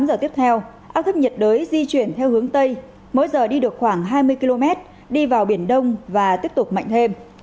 dự báo trong hai mươi bốn h tới áp thấp nhiệt đới di chuyển chủ yếu theo hướng tây mỗi giờ đi được khoảng hai mươi km đi vào biển đông và tiếp tục mạnh thêm